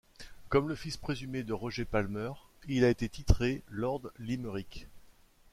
Comme le fils présumé de Roger Palmer, il a été titré Lord Limerick.